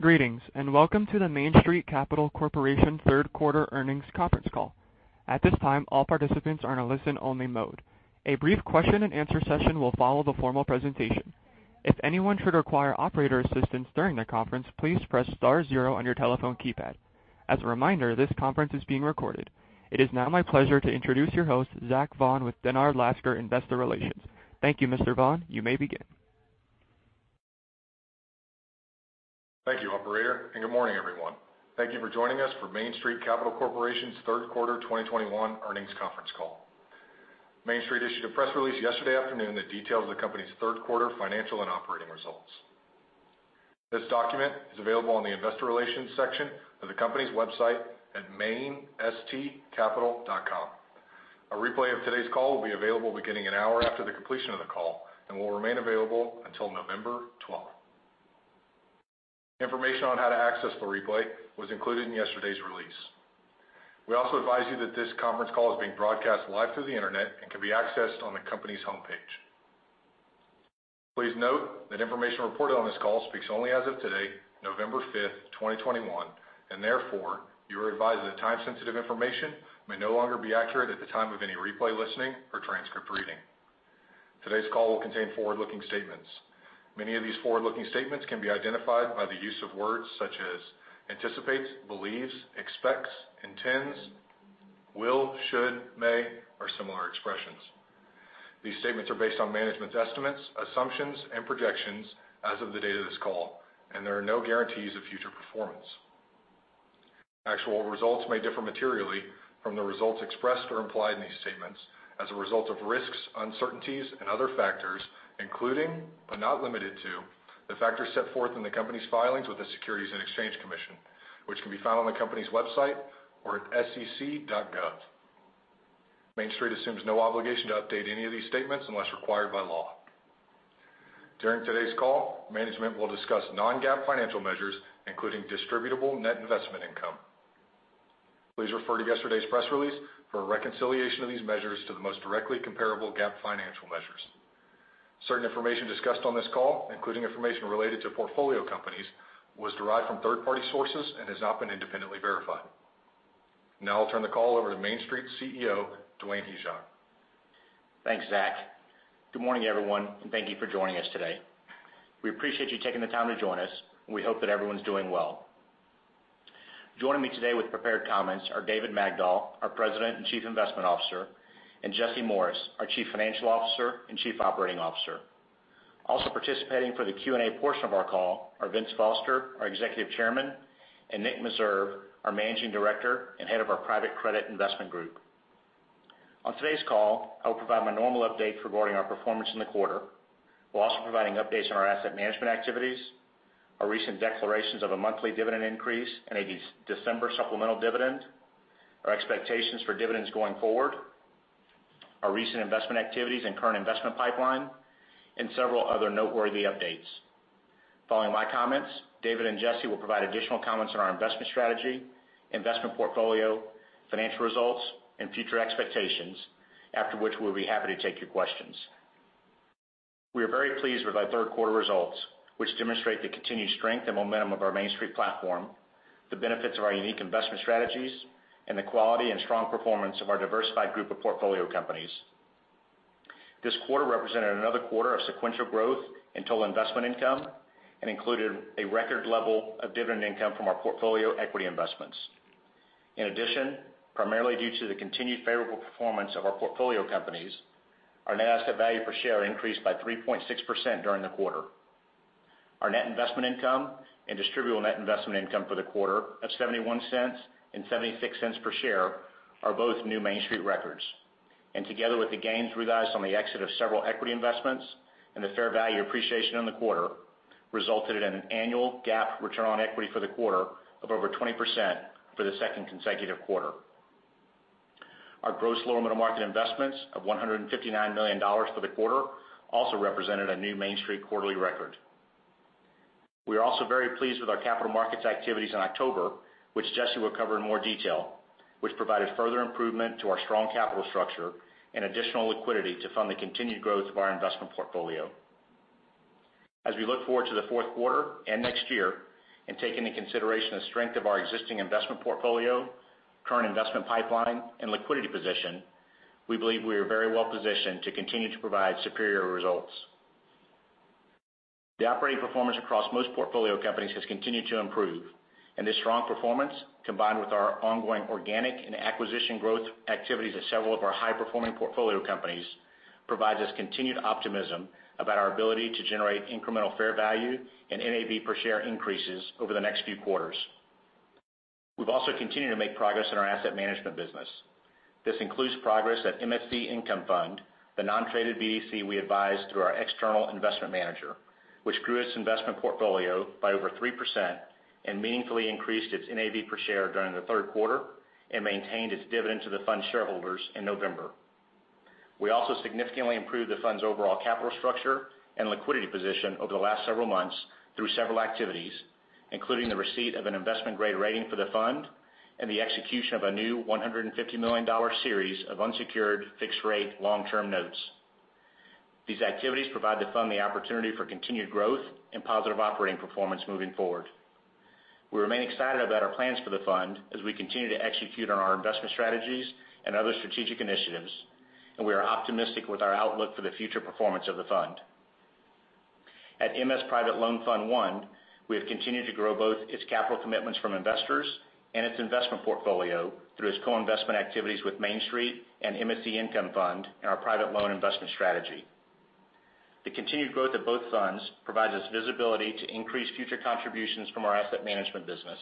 Greetings, and welcome to the Main Street Capital Corporation Q3 Earnings Conference Call. At this time, all participants are in a listen-only mode. A brief question-and-answer session will follow the formal presentation. If anyone should require operator assistance during the conference, please press star zero on your telephone keypad. As a reminder, this conference is being recorded. It is now my pleasure to introduce your host, Zach Vaughan, with Dennard Lascar, Investor Relations. Thank you, Mr. Vaughan. You may begin. Thank you, operator, and good morning, everyone. Thank you for joining us for Main Street Capital Corporation's Q3 2021 Earnings Conference Call. Main Street issued a press release yesterday afternoon that details the company's Q3 financial and operating results. This document is available on the investor relations section of the company's website at mainstcapital.com. A replay of today's call will be available beginning an hour after the completion of the call and will remain available until November 12th. Information on how to access the replay was included in yesterday's release. We also advise you that this conference call is being broadcast live through the Internet and can be accessed on the company's homepage. Please note that information reported on this call speaks only as of today, November 5th, 2021, and therefore, you are advised that time-sensitive information may no longer be accurate at the time of any replay listening or transcript reading. Today's call will contain forward-looking statements. Many of these forward-looking statements can be identified by the use of words such as anticipates, believes, expects, intends, will, should, may, or similar expressions. These statements are based on management's estimates, assumptions, and projections as of the date of this call, and there are no guarantees of future performance. Actual results may differ materially from the results expressed or implied in these statements as a result of risks, uncertainties, and other factors, including, but not limited to, the factors set forth in the company's filings with the Securities and Exchange Commission, which can be found on the company's website or at sec.gov. Main Street assumes no obligation to update any of these statements unless required by law. During today's call, management will discuss non-GAAP financial measures, including distributable net investment income. Please refer to yesterday's press release for a reconciliation of these measures to the most directly comparable GAAP financial measures. Certain information discussed on this call, including information related to portfolio companies, was derived from third-party sources and has not been independently verified. Now I'll turn the call over to Main Street CEO, Dwayne Hyzak. Thanks, Zach. Good morning, everyone, and thank you for joining us today. We appreciate you taking the time to join us. We hope that everyone's doing well. Joining me today with prepared comments are David Magdol, our President and Chief Investment Officer, and Jesse Morris, our Chief Financial Officer and Chief Operating Officer. Also participating for the Q&A portion of our call are Vince Foster, our Executive Chairman, and Nick Meserve, our Managing Director and Head of our Private Credit Investment Group. On today's call, I will provide my normal update regarding our performance in the quarter, while also providing updates on our asset management activities, our recent declarations of a monthly dividend increase and a December supplemental dividend, our expectations for dividends going forward, our recent investment activities and current investment pipeline, and several other noteworthy updates. Following my comments, David and Jesse will provide additional comments on our investment strategy, investment portfolio, financial results, and future expectations. After which, we'll be happy to take your questions. We are very pleased with our Q3 results, which demonstrate the continued strength and momentum of our Main Street platform, the benefits of our unique investment strategies, and the quality and strong performance of our diversified group of portfolio companies. This quarter represented another quarter of sequential growth in total investment income and included a record level of dividend income from our portfolio equity investments. In addition, primarily due to the continued favorable performance of our portfolio companies, our net asset value per share increased by 3.6% during the quarter. Our net investment income and distributable net investment income for the quarter of $0.71 and $0.76 per share are both new Main Street records. Together with the gains realized on the exit of several equity investments and the fair value appreciation in the quarter resulted in an annual GAAP return on equity for the quarter of over 20% for the second consecutive quarter. Our gross Lower Middle Market investments of $159 million for the quarter also represented a new Main Street quarterly record. We are also very pleased with our capital markets activities in October, which Jesse will cover in more detail, which provided further improvement to our strong capital structure and additional liquidity to fund the continued growth of our investment portfolio. As we look forward to the Q4 and next year and take into consideration the strength of our existing investment portfolio, current investment pipeline, and liquidity position, we believe we are very well-positioned to continue to provide superior results. The operating performance across most portfolio companies has continued to improve, and this strong performance, combined with our ongoing organic and acquisition growth activities at several of our high-performing portfolio companies, provides us continued optimism about our ability to generate incremental fair value and NAV per share increases over the next few quarters. We've also continued to make progress in our Asset Management Business. This includes progress at MSC Income Fund, the non-traded BDC we advise through our external investment manager, which grew its investment portfolio by over 3% and meaningfully increased its NAV per share during the Q3 and maintained its dividend to the fund shareholders in November. We also significantly improved the fund's overall capital structure and liquidity position over the last several months through several activities, including the receipt of an investment-grade rating for the fund and the execution of a new $150 million series of unsecured fixed-rate long-term notes. These activities provide the fund the opportunity for continued growth and positive operating performance moving forward. We remain excited about our plans for the fund as we continue to execute on our investment strategies and other strategic initiatives, and we are optimistic with our outlook for the future performance of the fund. At MS Private Loan fund I, we have continued to grow both its capital commitments from investors and its investment portfolio through its co-investment activities with Main Street and MSC Income Fund and our Private Loan investment strategy. The continued growth of both funds provides us visibility to increase future contributions from our Asset Management Business.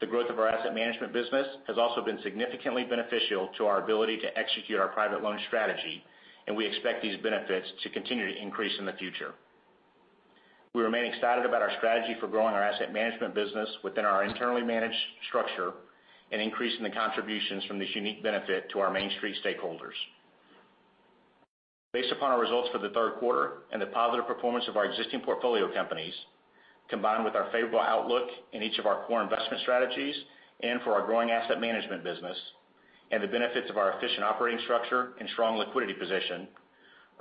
The growth of our Asset Management Business has also been significantly beneficial to our ability to execute our Private Loan strategy, and we expect these benefits to continue to increase in the future. We remain excited about our strategy for growing our Asset Management Business within our internally managed structure and increasing the contributions from this unique benefit to our Main Street stakeholders. Based upon our results for the Q3 and the positive performance of our existing portfolio companies, combined with our favorable outlook in each of our core investment strategies and for our growing Asset Management Business, and the benefits of our efficient operating structure and strong liquidity position,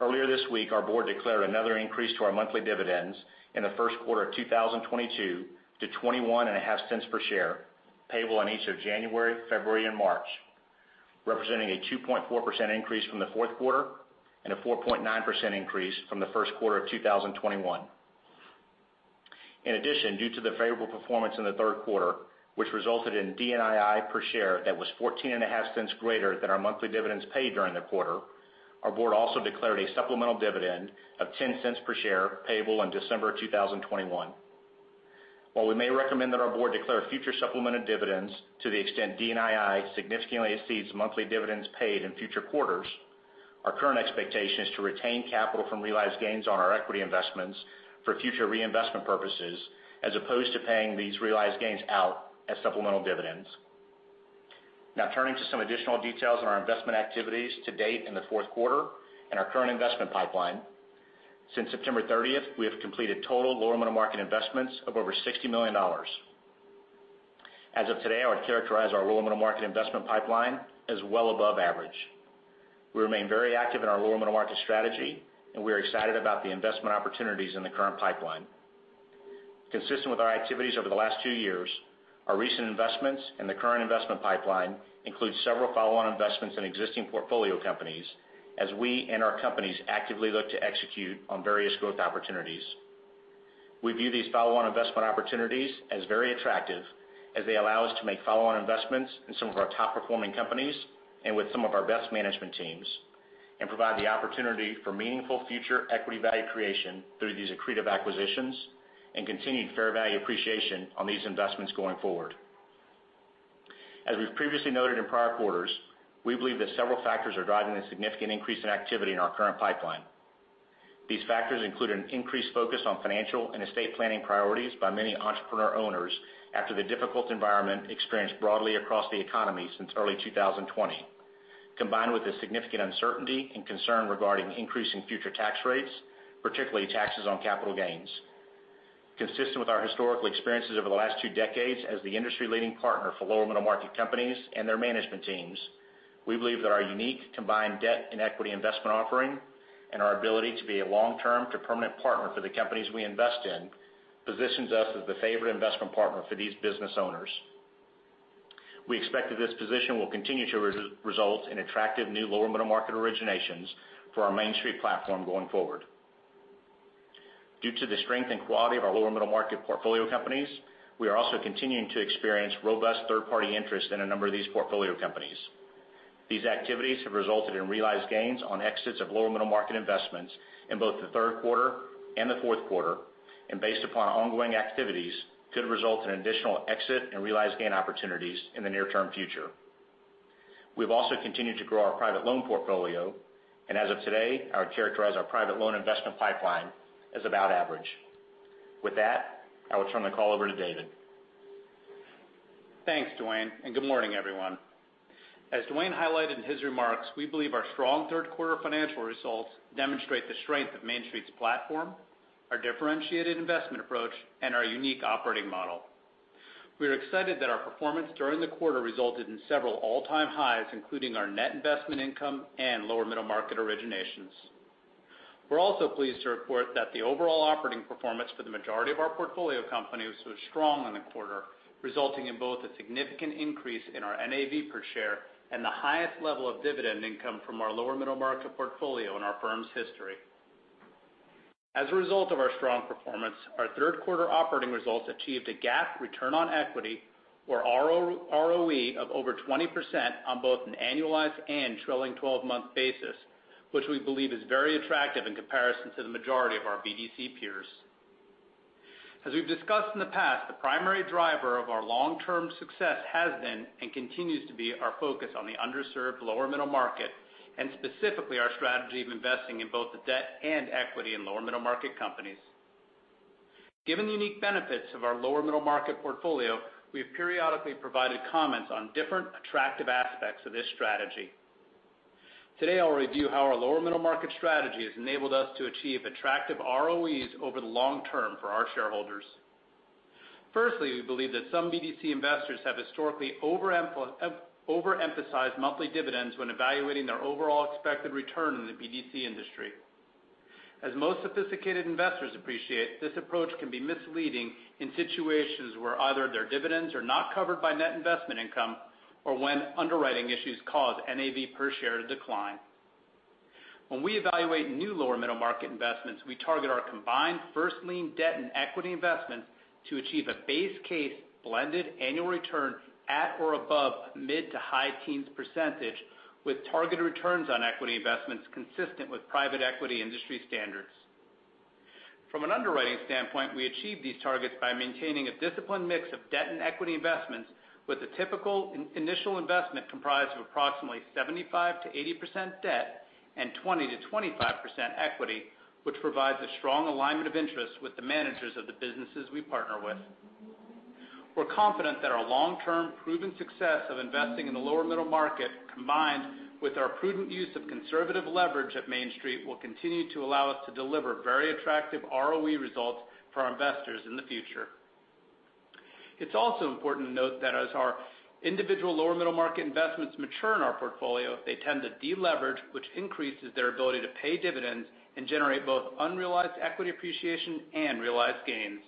earlier this week, our board declared another increase to our monthly dividends in the Q1 of 2022 to $0.215 per share, payable in each of January, February, and March, representing a 2.4% increase from the Q4 and a 4.9% increase from the Q1 of 2021. In addition, due to the favorable performance in the Q3, which resulted in DNII per share that was $0.145 greater than our monthly dividends paid during the quarter, our board also declared a supplemental dividend of $0.10 per share payable in December 2021. While we may recommend that our board declare future supplemental dividends to the extent DNII significantly exceeds monthly dividends paid in future quarters, our current expectation is to retain capital from realized gains on our equity investments for future reinvestment purposes, as opposed to paying these realized gains out as supplemental dividends. Now turning to some additional details on our investment activities to date in the Q4 and our current investment pipeline. Since September 30th, we have completed total Lower Middle Market investments of over $60 million. As of today, I characterize our Lower Middle Market investment pipeline as well above average. We remain very active in our Lower Middle Market strategy, and we are excited about the investment opportunities in the current pipeline. Consistent with our activities over the last two years, our recent investments in the current investment pipeline includes several follow-on investments in existing portfolio companies as we and our companies actively look to execute on various growth opportunities. We view these follow-on investment opportunities as very attractive as they allow us to make follow-on investments in some of our top-performing companies and with some of our best management teams, and provide the opportunity for meaningful future equity value creation through these accretive acquisitions and continued fair value appreciation on these investments going forward. As we've previously noted in prior quarters, we believe that several factors are driving a significant increase in activity in our current pipeline. These factors include an increased focus on financial and estate planning priorities by many entrepreneur owners after the difficult environment experienced broadly across the economy since early 2020, combined with the significant uncertainty and concern regarding increasing future tax rates, particularly taxes on capital gains. Consistent with our historical experiences over the last two decades as the industry leading partner for Lower Middle Market companies and their management teams, we believe that our unique combined debt and equity investment offering and our ability to be a long-term to permanent partner for the companies we invest in positions us as the favorite investment partner for these business owners. We expect that this position will continue to result in attractive new Lower Middle Market originations for our Main Street platform going forward. Due to the strength and quality of our Lower Middle Market portfolio companies, we are also continuing to experience robust third-party interest in a number of these portfolio companies. These activities have resulted in realized gains on exits of Lower Middle Market investments in both the Q3 and the Q4, and based upon our ongoing activities, could result in additional exit and realized gain opportunities in the near-term future. We've also continued to grow our Private Loan portfolio, and as of today, I would characterize our Private Loan investment pipeline as about average. With that, I will turn the call over to David. Thanks, Dwayne, and good morning, everyone. As Dwayne highlighted in his remarks, we believe our strong Q3 financial results demonstrate the strength of Main Street's platform, our differentiated investment approach, and our unique operating model. We're excited that our performance during the quarter resulted in several all-time highs, including our net investment income and Lower Middle Market originations. we're also pleased to report that the overall operating performance for the majority of our portfolio companies was strong in the quarter, resulting in both a significant increase in our NAV per share and the highest level of dividend income from our Lower Middle Market portfolio in our firm's history. As a result of our strong performance, our Q3 operating results achieved a GAAP return on equity, or ROE of over 20% on both an annualized and trailing 12-month basis, which we believe is very attractive in comparison to the majority of our BDC peers. As we've discussed in the past, the primary driver of our long-term success has been and continues to be our focus on the underserved Lower Middle Market, and specifically our strategy of investing in both the debt and equity in Lower Middle Market companies. given the unique Lower Middle Market portfolio, we have periodically provided comments on different attractive aspects of this strategy. Today, I'll review how our Lower Middle Market strategy has enabled us to achieve attractive ROEs over the long term for our shareholders. Firstly, we believe that some BDC investors have historically overemphasized monthly dividends when evaluating their overall expected return in the BDC industry. As most sophisticated investors appreciate, this approach can be misleading in situations where either their dividends are not covered by net investment income or when underwriting issues cause NAV per share to decline. When we evaluate new Lower Middle Market investments, we target our combined first lien debt and equity investments to achieve a base case blended annual return at or above mid- to high-teens percentage, with targeted returns on equity investments consistent with private equity industry standards. From an underwriting standpoint, we achieve these targets by maintaining a disciplined mix of debt and equity investments with a typical initial investment comprised of approximately 75%-80% debt and 20%-25% equity, which provides a strong alignment of interest with the managers of the businesses we partner with. We're confident that our long-term proven success of investing in our Lower Middle Market, combined with our prudent use of conservative leverage at Main Street, will continue to allow us to deliver very attractive ROE results for our investors in the future. It's also important to note that as our Lower Middle Market investments mature in our portfolio, they tend to deleverage, which increases their ability to pay dividends and generate both unrealized equity appreciation and realized gains.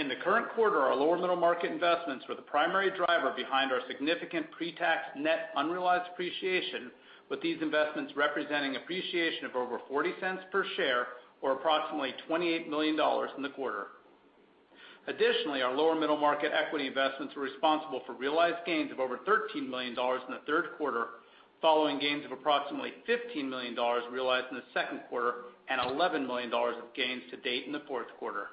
In the current quarter our Lower Middle Market investments were the primary driver behind our significant pre-tax net unrealized appreciation, with these investments representing appreciation of over $0.40 per share or approximately $28 million in the quarter. Additionally, our Lower Middle Market equity investments were responsible for realized gains of over $13 million in the Q3, following gains of approximately $15 million realized in the Q2 and $11 million of gains to date in the Q4.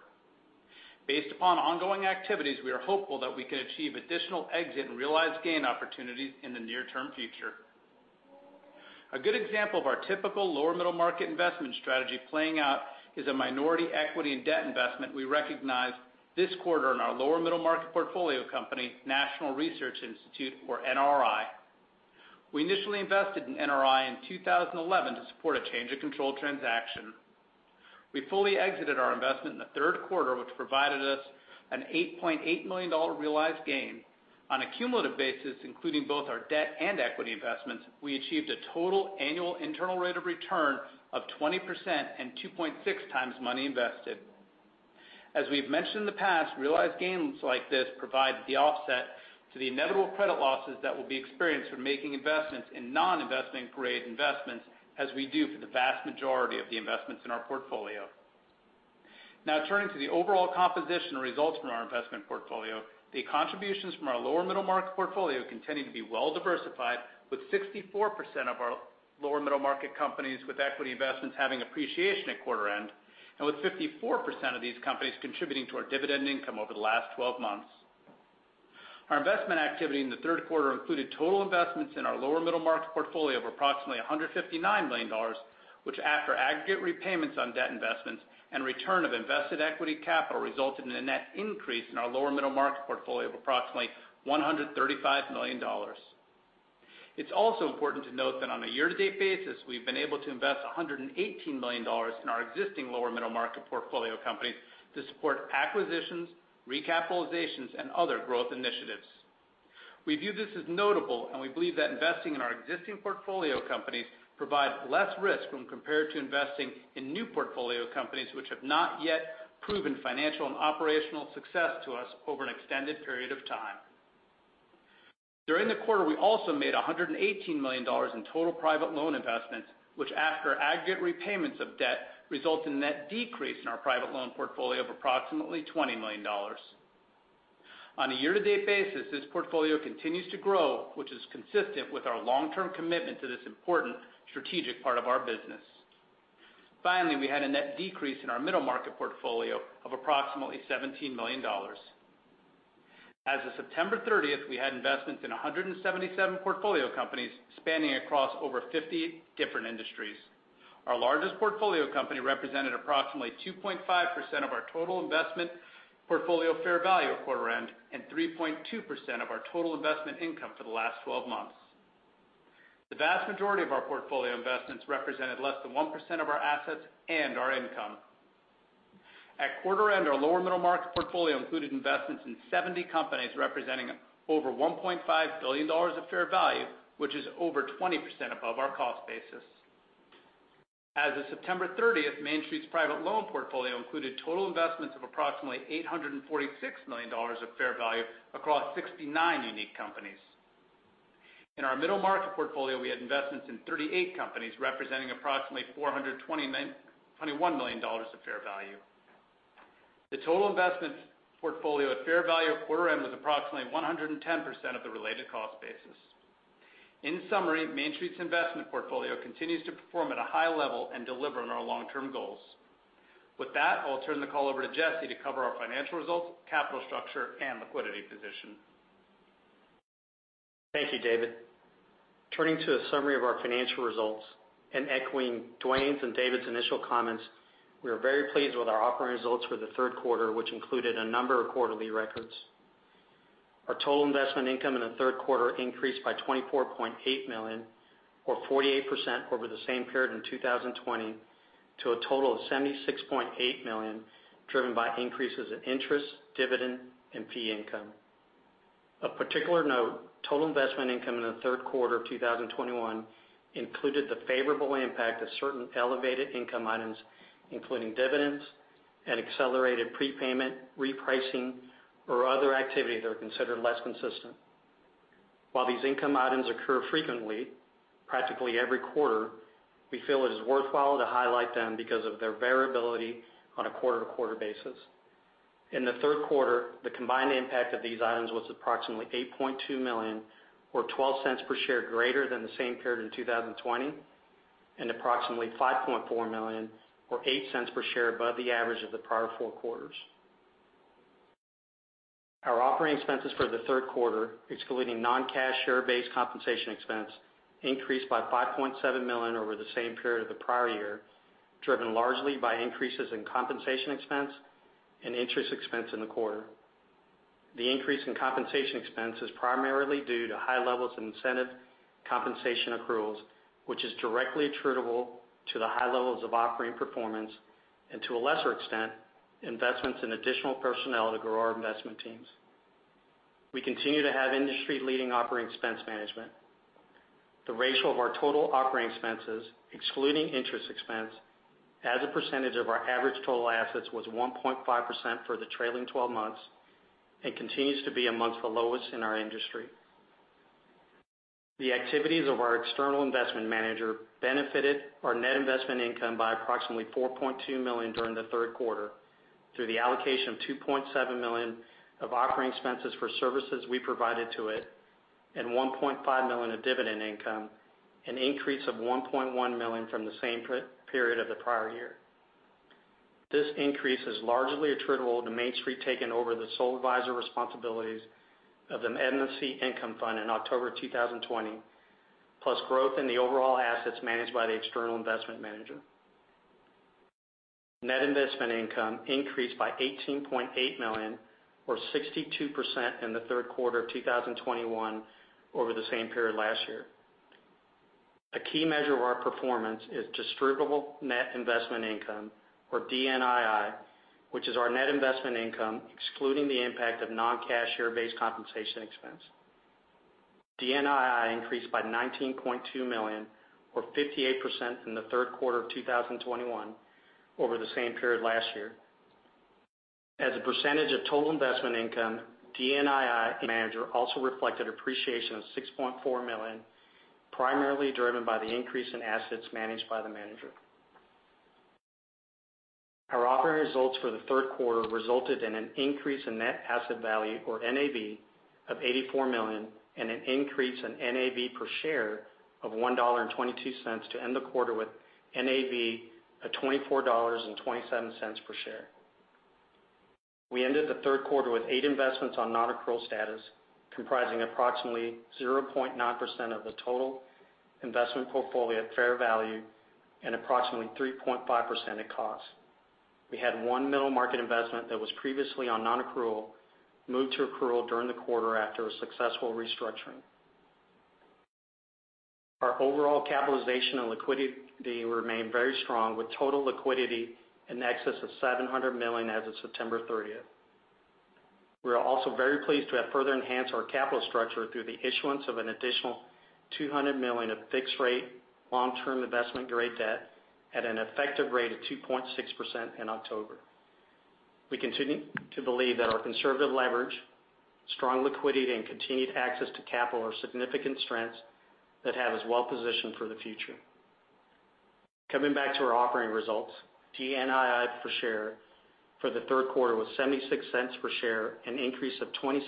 Based upon ongoing activities, we are hopeful that we can achieve additional exit and realized gain opportunities in the near-term future. A good example of our typical Lower Middle Market investment strategy playing out is a minority equity and debt investment we recognized this quarter on our Lower Middle Market portfolio company, National Research Institute or NRI. We initially invested in NRI in 2011 to support a change of control transaction. We fully exited our investment in the Q3, which provided us an $8.8 million realized gain. On a cumulative basis, including both our debt and equity investments, we achieved a total annual internal rate of return of 20% and 2.6x money invested. As we've mentioned in the past, realized gains like this provide the offset to the inevitable credit losses that will be experienced when making investments in non-investment-grade investments, as we do for the vast majority of the investments in our portfolio. Now turning to the overall composition results from our investment portfolio. The contribution from our Lower Middle Market portfolio continue to be well-diversified, with 64% of our Lower Middle Market companies with equity investments having appreciation at quarter end, and with 54% of these companies contributing to our dividend income over the last 12 months. Our investment activity in the Q3 included total investments in our Lower Middle Market portfolio of approximately $159 million, which after aggregate repayments on debt investments and return of invested equity capital, resulted in a net increase in our Lower Middle Market portfolio of approximately $135 million. It's also important to note that on a year-to-date basis, we've been able to invest $118 million in our existing Lower Middle Market portfolio companies to support acquisitions, recapitalizations, and other growth initiatives. We view this as notable, and we believe that investing in our existing portfolio companies provides less risk when compared to investing in new portfolio companies, which have not yet proven financial and operational success to us over an extended period of time. During the quarter, we also made $118 million in total Private Loan investments, which after aggregate repayments of debt, result in net decrease in our Private Loan portfolio of approximately $20 million. On a year-to-date basis, this portfolio continues to grow, which is consistent with our long-term commitment to this important strategic part of our business. Finally, we had a net decrease in our Middle Market portfolio of approximately $17 million. As of September 30th, we had investments in 177 portfolio companies spanning across over 50 different industries. Our largest portfolio company represented approximately 2.5% of our total investment portfolio fair value at quarter end, and 3.2% of our total investment income for the last 12 months. The vast majority of our portfolio investments represented less than 1% of our assets and our income. At quarter end our Lower Middle Market portfolio included investments in 70 companies, representing over $1.5 billion of fair value, which is over 20% above our cost basis. As of September 30th, Main Street Private Loan portfolio included total investments of approximately $846 million of fair value across 69 unique companies. In our Middle Market portfolio, we had investments in 38 companies, representing approximately $421 million of fair value. The total investment portfolio at fair value at quarter end was approximately 110% of the related cost basis. In summary, Main Street's investment portfolio continues to perform at a high level and deliver on our long-term goals. With that, I'll turn the call over to Jesse to cover our financial results, capital structure, and liquidity position. Thank you, David. Turning to a summary of our financial results and echoing Dwayne's and David's initial comments, we are very pleased with our operating results for the Q3, which included a number of quarterly records. Our total investment income in the Q3 increased by $24.8 million, or 48% over the same period in 2020 to a total of $76.8 million, driven by increases in interest, dividend, and fee income. Of particular note, total investment income in the Q3 of 2021 included the favorable impact of certain elevated income items, including dividends and accelerated prepayment, repricing, or other activities that are considered less consistent. While these income items occur frequently, practically every quarter, we feel it is worthwhile to highlight them because of their variability on a quarter-to-quarter basis. In the Q3, the combined impact of these items was approximately $8.2 million, or $0.12 per share greater than the same period in 2020, and approximately $5.4 million, or $0.08 per share above the average of the prior four quarters. Our operating expenses for the Q3, excluding non-cash share-based compensation expense, increased by $5.7 million over the same period of the prior year, driven largely by increases in compensation expense and interest expense in the quarter. The increase in compensation expense is primarily due to high levels of incentive compensation accruals, which is directly attributable to the high levels of operating performance and, to a lesser extent, investments in additional personnel to grow our investment teams. We continue to have industry-leading operating expense management. The ratio of our total operating expenses, excluding interest expense as a percentage of our average total assets, was 1.5% for the trailing 12 months and continues to be among the lowest in our industry. The activities of our external investment manager benefited our net investment income by approximately $4.2 million during the Q3 through the allocation of $2.7 million of operating expenses for services we provided to it, and $1.5 million of dividend income, an increase of $1.1 million from the same period of the prior year. This increase is largely attributable to Main Street taking over the sole advisor responsibilities of the MSC Income Fund in October 2020, plus growth in the overall assets managed by the external investment manager. Net investment income increased by $18.8 million, or 62% in the Q3 of 2021 over the same period last year. A key measure of our performance is distributable net investment income, or DNII, which is our net investment income excluding the impact of non-cash share-based compensation expense. DNII increased by $19.2 million, or 58% in the Q3 of 2021 over the same period last year. As a percentage of total investment income, DNII margin also reflected appreciation of $6.4 million, primarily driven by the increase in assets managed by the manager. Our operating results for the Q3 resulted in an increase in net asset value, or NAV, of $84 million and an increase in NAV per share of $1.22 to end the quarter with NAV at $24.27 per share. We ended the Q3 with eight investments on non-accrual status, comprising approximately 0.9% of the total investment portfolio at fair value and approximately 3.5% at cost. We had one Middle Market investment that was previously on non-accrual moved to accrual during the quarter after a successful restructuring. Our overall capitalization and liquidity remain very strong, with total liquidity in excess of $700 million as of September 30th. We are also very pleased to have further enhanced our capital structure through the issuance of an additional $200 million of fixed-rate long-term investment-grade debt at an effective rate of 2.6% in October. We continue to believe that our conservative leverage, strong liquidity, and continued access to capital are significant strengths that have us well positioned for the future. Coming back to our operating results, DNII per share for the Q3 was $0.76 per share, an increase of $0.26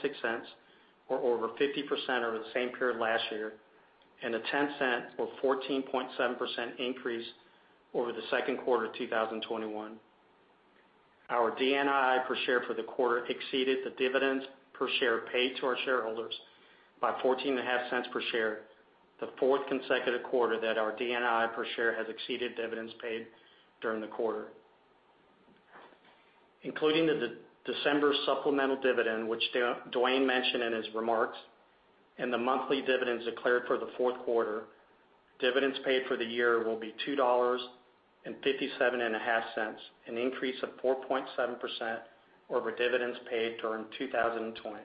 or over 50% over the same period last year, and a $0.10 or 14.7% increase over the Q2 of 2021. Our DNII per share for the quarter exceeded the dividends per share paid to our shareholders by $0.145 per share, the fourth consecutive quarter that our DNII per share has exceeded dividends paid during the quarter. Including the December supplemental dividend, which Dwayne mentioned in his remarks, and the monthly dividends declared for the Q4, dividends paid for the year will be $2.575, an increase of 4.7% over dividends paid during 2020.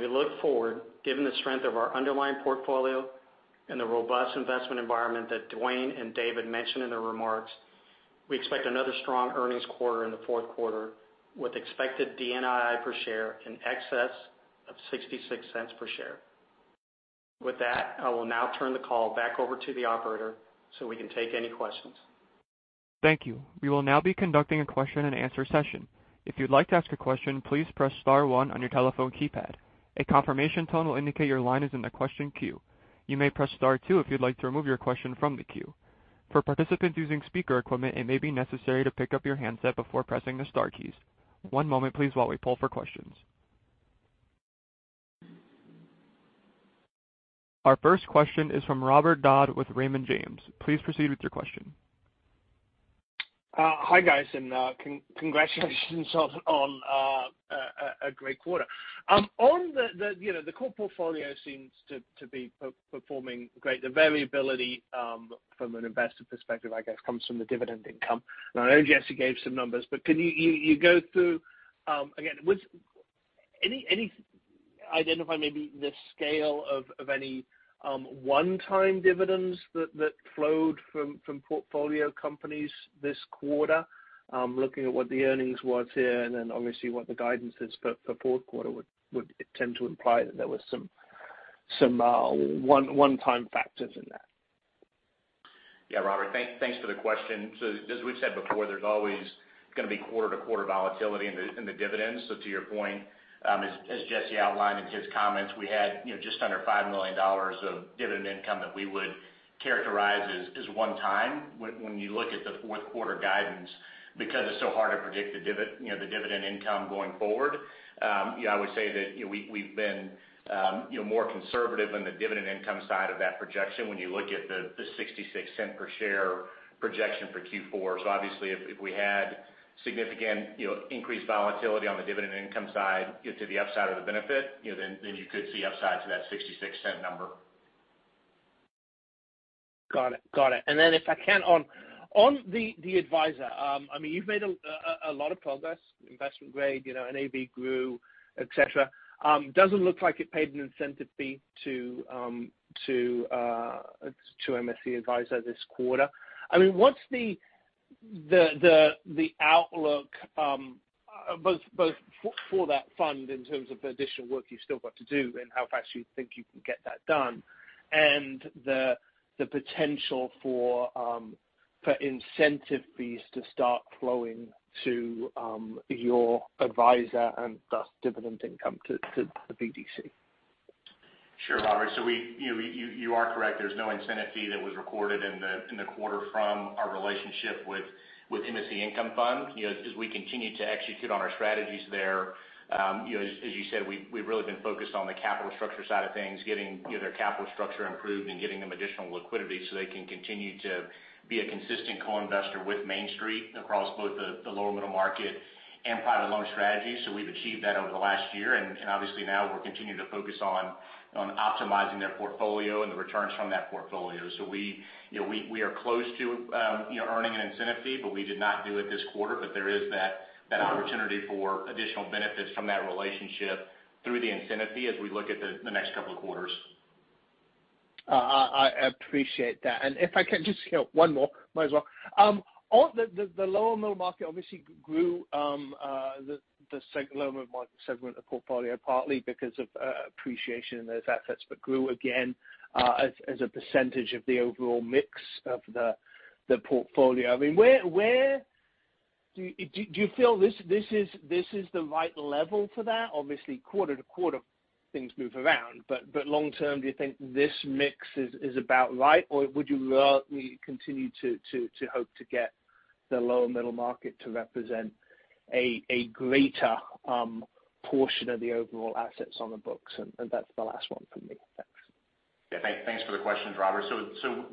We look forward, given the strength of our underlying portfolio and the robust investment environment that Dwayne and David mentioned in their remarks, we expect another strong earnings quarter in the Q4 with expected DNII per share in excess of $0.66 per share. With that, I will now turn the call back over to the operator so we can take any questions. Thank you. We will now be conducting a question and answer session. If you'd like to ask a question, please press star one on your telephone keypad. A confirmation tone will indicate your line is in the question queue. You may press star two if you'd like to remove your question from the queue. For participants using speaker equipment, it may be necessary to pick up your handset before pressing the star keys. One moment please while we poll for questions. Our first question is from Robert Dodd with Raymond James. Please proceed with your question. Hi, guys, and congratulations on a great quarter. You know, the core portfolio seems to be performing great. The variability from an investor perspective, I guess, comes from the dividend income. I know Jesse gave some numbers, but can you go through again, identify maybe the scale of any one-time dividends that flowed from portfolio companies this quarter. Looking at what the earnings was here and then obviously what the guidance is for Q4 would tend to imply that there was some one-time factors in that? Yeah. Robert, thanks for the question. As we've said before, there's always gonna be quarter-to-quarter volatility in the dividends. To your point, as Jesse outlined in his comments, we had, you know, just under $5 million of dividend income that we would characterize as one time when you look at the Q4 guidance, because it's so hard to predict the dividend income going forward. You know, I would say that, you know, we've been, you know, more conservative on the dividend income side of that projection when you look at the $0.66 per share projection for Q4. Obviously, if we had significant, you know, increased volatility on the dividend income side to the upside of the benefit, you know, then you could see upside to that $0.66 number. Got it. If I can on the advisor, I mean, you've made a lot of progress, investment-grade, you know, NAV grew, et cetera. Doesn't look like it paid an incentive fee to MSC Advisor this quarter. I mean, what's the outlook, both for that fund in terms of the additional work you've still got to do and how fast you think you can get that done and the potential for incentive fees to start flowing to your advisor and thus dividend income to the BDC? Sure, Robert. We, you know, you are correct. There's no incentive fee that was recorded in the quarter from our relationship with MSC Income Fund. You know, as we continue to execute on our strategies there, you know, as you said, we've really been focused on the capital structure side of things, getting, you know, their capital structure improved and getting them additional liquidity so they can continue to be a consistent co-investor with Main street across both the Lower Middle Market and Private Loan strategies. We've achieved that over the last year. Obviously now we're continuing to focus on optimizing their portfolio and the returns from that portfolio. We, you know, we are close to, you know, earning an incentive fee, but we did not do it this quarter. There is that opportunity for additional benefits from that relationship through the incentive fee as we look at the next couple of quarters. I appreciate that. If I can just get one more. Might as well, of the Lower Middle Market segment of the portfolio, partly because of appreciation in those assets, but grew again, as a percentage of the overall mix of the portfolio. I mean, where do you feel this is the right level for that? Obviously, quarter to quarter things move around. Long term, do you think this mix is about right or would you rather continue to hope to get the Lower Middle Market to represent a greater portion of the overall assets on the books? That's the last one for me. Thanks. Yeah. Thanks for the questions, Robert.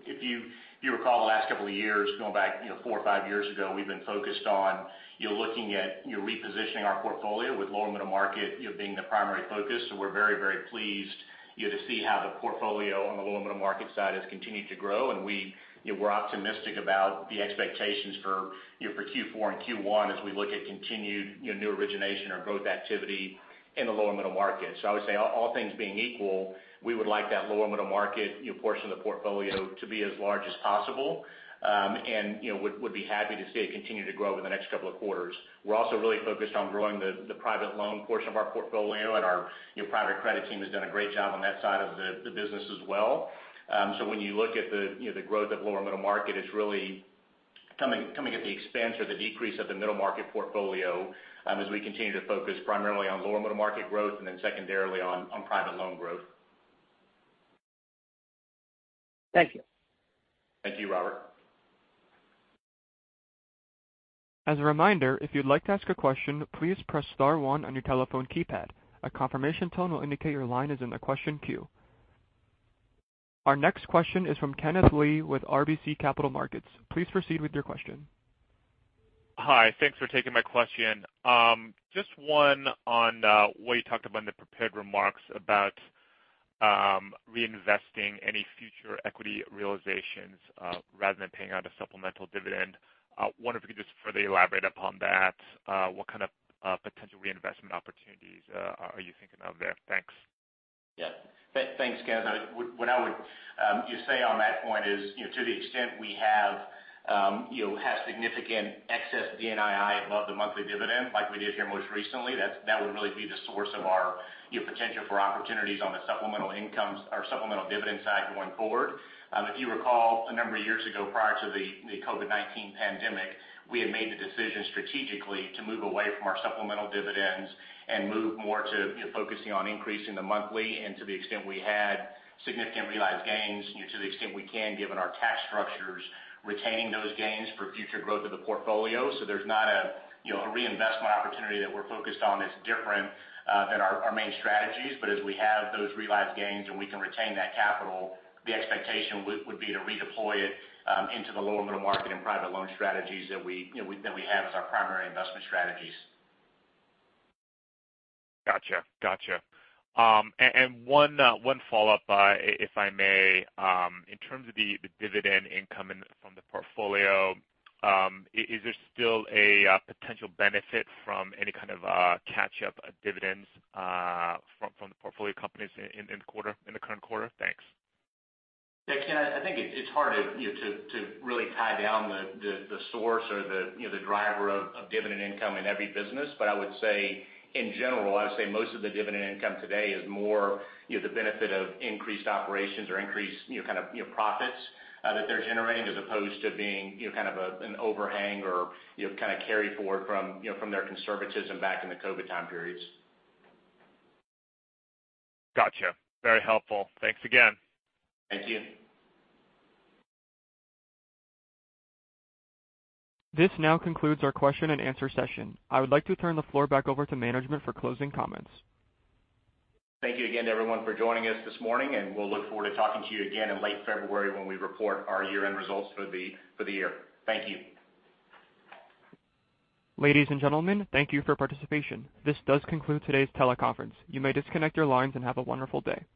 If you recall the last couple of years, going back, you know, four or five years ago, we've been focused on, you know, looking at, you know, repositioning our portfolio with Lower Middle Market, you know, being the primary focus. We're very, very pleased, you know, to see how the portfolio on Lower Middle Market side has continued to grow. We, you know, we're optimistic about the expectations for, you know, for Q4 and Q1 as we look at continued, you know, new origination or growth activity in the Lower Middle Market. I would say all things being equal, we would like that Lower Middle Market, you know, portion of the portfolio to be as large as possible, and, you know, would be happy to see it continue to grow over the next couple of quarters. We're also really focused on growing the Private Loan portion of our portfolio and our, you know, private credit team has done a great job on that side of the business as well. When you look at the, you know, the growth on Lower Middle Market, it's really coming at the expense or the decrease of the Middle Market portfolio, as we continue to focus primarily on Lower Middle Market growth and then secondarily on Private Loan growth. Thank you. Thank you, Robert. As a reminder, if you'd like to ask a question, please press star one on your telephone keypad. A confirmation tone will indicate your line is in the question queue. Our next question is from Kenneth Lee with RBC Capital Markets. Please proceed with your question. Hi. Thanks for taking my question. Just one on what you talked about in the prepared remarks about reinvesting any future equity realizations rather than paying out a supplemental dividend. Wonder if you could just further elaborate upon that. What kind of potential reinvestment opportunities are you thinking of there? Thanks. Yeah. Thanks, Ken. What I would, you know, say on that point is, you know, to the extent we have you know significant excess DNII above the monthly dividend like we did here most recently, that would really be the source of our, you know, potential for opportunities on the supplemental incomes or supplemental dividend side going forward. If you recall, a number of years ago, prior to the COVID-19 pandemic, we had made the decision strategically to move away from our supplemental dividends and move more to, you know, focusing on increasing the monthly and to the extent we had significant realized gains, you know, to the extent we can, given our tax structures, retaining those gains for future growth of the portfolio. There's not a you know reinvestment opportunity that we're focused on that's different than our main strategies. As we have those realized gains and we can retain that capital, the expectation would be to redeploy it into the Lower Middle Market and Private Loan strategies that we you know have as our primary investment strategies. Gotcha. One follow-up, if I may. In terms of the dividend income from the portfolio, is there still a potential benefit from any kind of catch up dividends from the portfolio companies in the quarter, in the current quarter? Thanks. Yeah. Ken, I think it's hard to you know really tie down the source or you know the driver of dividend income in every business. But I would say in general, I would say most of the dividend income today is more you know the benefit of increased operations or increased you know kind of you know profits that they're generating, as opposed to being you know kind of an overhang or you know kind of carry forward from their conservatism back in the COVID time periods. Gotcha. Very helpful. Thanks again. Thank you. This now concludes our question and answer session. I would like to turn the floor back over to management for closing comments. Thank you again to everyone for joining us this morning, and we'll look forward to talking to you again in late February when we report our year-end results for the year. Thank you. Ladies and gentlemen, thank you for participation. This does conclude today's teleconference. You may disconnect your lines and have a wonderful day.